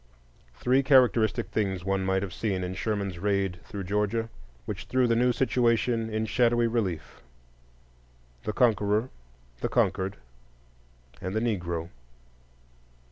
Three characteristic things one might have seen in Sherman's raid through Georgia, which threw the new situation in shadowy relief: the Conqueror, the Conquered, and the Negro.